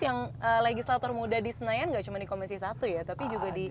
yang legislator muda di senayan gak cuma di komisi satu ya tapi juga di